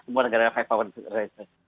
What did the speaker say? semua negara ada five power defense arrangement